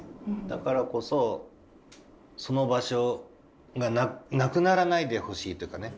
だからこそその場所がなくならないでほしいというかね